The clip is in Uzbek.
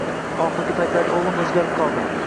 Oxirgi paytlarda o`g`li o`zgarib qoldi